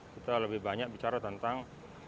kita lebih banyak bicara tentang